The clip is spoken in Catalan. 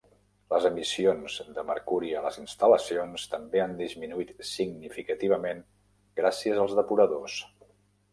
Les emissions de mercuri a les instal·lacions també han disminuït significativament gràcies als depuradors.